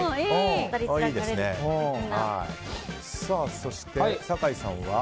そして、酒井さんは。